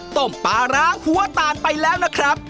ปลาร้างหัวตาลไปแล้วนะครับ